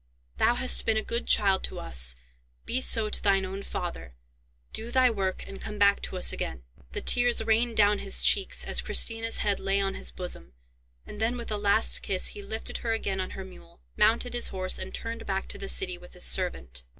Thou hast been a good child to us; be so to thine own father. Do thy work, and come back to us again." The tears rained down his cheeks, as Christina's head lay on his bosom, and then with a last kiss he lifted her again on her mule, mounted his horse, and turned back to the city, with his servant.